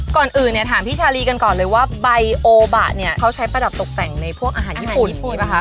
ก่อนอื่นเนี่ยถามพี่ชาลีกันก่อนเลยว่าใบโอบะเนี่ยเขาใช้ประดับตกแต่งในพวกอาหารญี่ปุ่นมีป่ะคะ